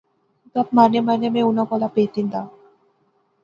گپ مارنیاں مارنیاں میں انیں کولا پھیت ہندا